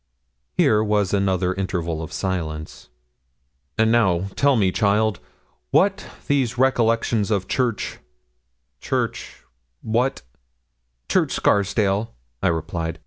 Here was another interval of silence. 'And now tell me, child, what these recollections of Church Church what?' 'Church Scarsdale,' I replied.